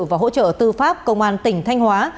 và hỗ trợ tư pháp công an tỉnh thanh hóa